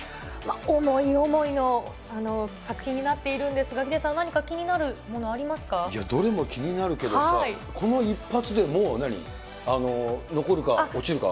思い思いの作品になっているんですが、ヒデさん、何か気になるもどれも気になるけどさ、この一発でもう、何、残るか落ちるか？